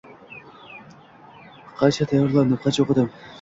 Qancha tayyorlandim, qancha o`qidim